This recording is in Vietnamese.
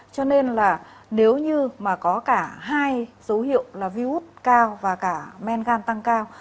cho nên là nếu như mà có cả hai dấu hiệu là virus cao và cả men gan tăng cao